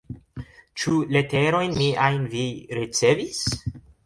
Ĉu leterojn miajn vi ricevis?